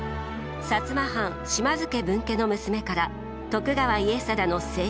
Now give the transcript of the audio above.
摩藩島津家分家の娘から徳川家定の正室に。